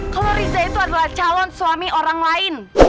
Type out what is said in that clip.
kalau riza itu adalah calon suami orang lain